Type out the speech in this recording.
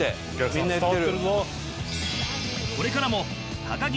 みんな言ってる。